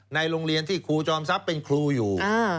ในโรงเรียนที่ครูจอมทรัพย์เป็นครูอยู่